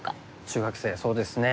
中学生そうですね。